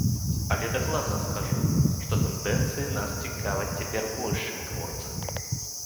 Але дакладна скажу, што тэндэнцыі нас цікавяць цяпер больш, чым творцы.